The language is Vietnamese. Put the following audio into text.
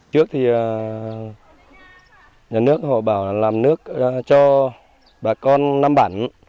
trước thì nhà nước họ bảo là làm nước cho bà con nằm bẩn